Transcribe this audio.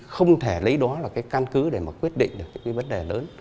không thể lấy đó là cái căn cứ để mà quyết định được những cái vấn đề lớn